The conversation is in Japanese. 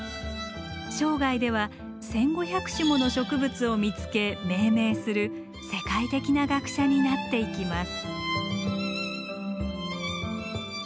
生涯では１，５００種もの植物を見つけ命名する世界的な学者になっていきます。